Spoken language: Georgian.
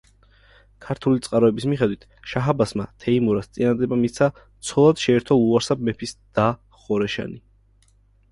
ქართული წყაროების მიხედვით, შაჰ-აბასმა თეიმურაზს წინადადება მისცა ცოლად შეერთო ლუარსაბ მეფის და ხორეშანი.